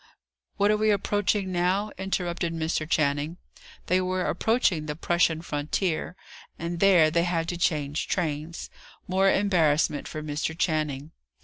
"What are we approaching now?" interrupted Mr. Channing. They were approaching the Prussian frontier; and there they had to change trains: more embarrassment for Mr. Channing.